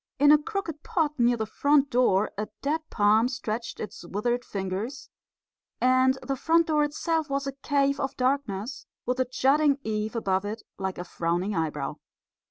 In a crooked pot near the front door a dead palm stretched its withered fingers; and the front door itself was a cave of darkness, with a jutting eave above it like a frowning eyebrow.